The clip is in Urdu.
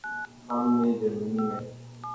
ہم نہ جرمنی ہیں۔